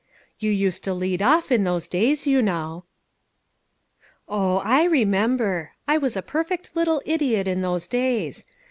You used to lead off, in those days, you know." " Oh ! I remember ; I was a perfect little idiot in those days.